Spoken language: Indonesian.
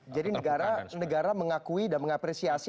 jadi negara mengakui dan mengapresiasi